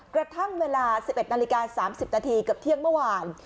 กระทั่งเวลา๑๑นาฬิกา๓๐นาทีเกือบเที่ยงเมื่อวาน